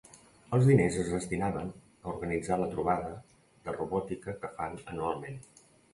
Els diners es destinaven a organitzar la trobada de robòtica que fan anualment.